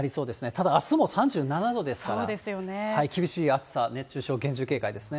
ただ、あすも３７度ですから、厳しい暑さ、熱中症、厳重警戒ですね。